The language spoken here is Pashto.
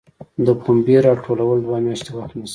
د پنبې راټولول دوه میاشتې وخت نیسي.